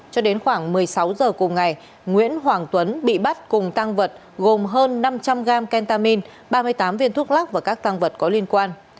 cho đến khoảng một mươi sáu h cùng ngày nguyễn hoàng tuấn bị bắt cùng tăng vật gồm hơn năm trăm linh gram kentamine ba mươi tám viên thuốc lắc và các tăng vật có liên quan